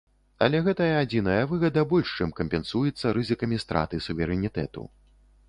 Але гэтая адзіная выгада больш чым кампенсуецца рызыкамі страты суверэнітэту.